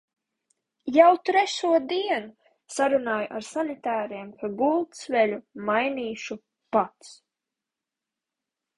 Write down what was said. Jau trešo dienu sarunāju ar sanitāriem, ka gultas veļu mainīšu pats.